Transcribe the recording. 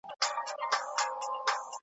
له ازله پیدا کړي خدای پمن یو .